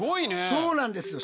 そうなんですよ。